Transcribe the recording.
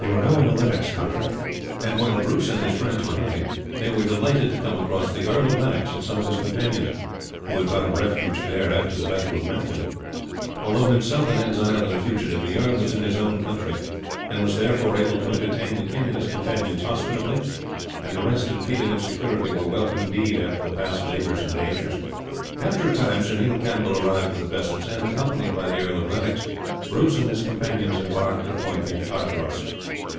They were now in the Lennox country, and while Bruce and his friends were hunting, they were delighted to come across the Earl of Lennox and some of his companions, who had found refuge there after the battle of Methven. Although himself an exile and a fugitive the earl was in his own country, and was therefore able to entertain the king and his companions hospitably, and the rest and feeling of security were welcome indeed after the past labours and dangers. After a time Sir Neil Campbell arrived with the vessels, and, accompanied by the Earl of Lennox, Bruce and his companions embarked at a point near Cardross.